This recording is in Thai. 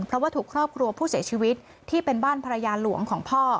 เพราะว่าถูกครอบครัวผู้เสียชีวิตที่เป็นบ้านภรรยาหลวงของพ่อ